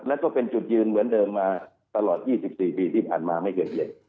แล้วก็เป็นจุดยืนเหมือนเดิมมาตลอด๒๔ปีที่ผ่านมาไม่เกิน๗